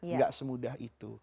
nggak semudah itu